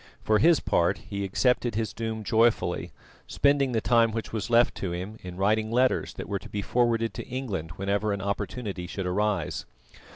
For his part, he accepted his doom joyfully, spending the time which was left to him in writing letters that were to be forwarded to England whenever an opportunity should arise.